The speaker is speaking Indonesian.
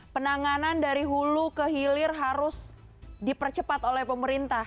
penanganan dari hulu ke hilir harus dipercepat oleh pemerintah